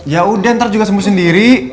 yaudah ntar juga sembuh sendiri